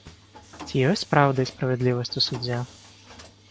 Ці ёсць праўда і справядлівасць у судзе?